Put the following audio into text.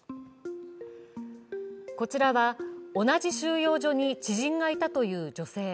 こちらは同じ収容所に知人がいたという女性。